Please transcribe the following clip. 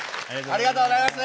ありがとうございます。